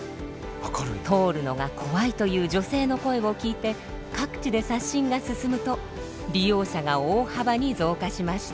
通るのが怖いという女性の声を聞いて各地で刷新が進むと利用者が大幅に増加しました。